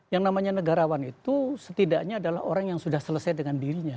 yang namanya negarawan itu setidaknya adalah orang yang sudah selesai dengan dirinya